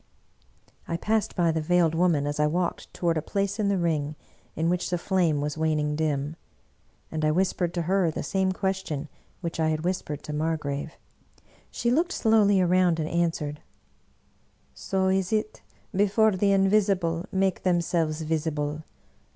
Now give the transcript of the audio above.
" I passed by the Veiled Woman as I walked toward a place in the ring in which the flame was waning dim; and I whispered to her the same question which I had whis pered to Margrave. She looked slowly around and an swered, " So is it before the Invisible make themselves visible!